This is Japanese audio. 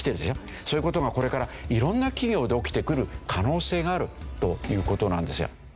そういう事がこれからいろんな企業で起きてくる可能性があるという事なんですよ。